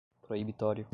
proibitório